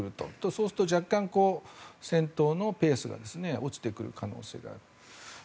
そうすると若干、戦闘のペースが落ちてくる可能性がある。